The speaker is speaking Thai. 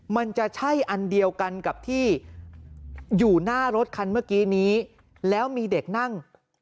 มันจะใช่อันเดียวกันกับที่อยู่หน้ารถคันเมื่อกี้นี้แล้วมีเด็กนั่ง